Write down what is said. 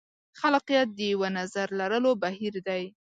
خلاقیت د یوه نظر لرلو بهیر دی.